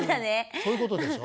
そういうことでしょ？